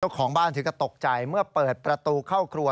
ของบ้านถึงก็ตกใจเมื่อเปิดประตูเข้าครัว